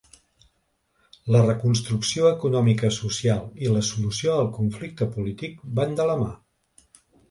La reconstrucció econòmica-social i la solució al conflicte polític van de la mà.